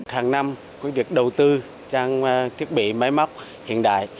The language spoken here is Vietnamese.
hàng năm việc đầu tư trang thiết bị máy móc hiện đại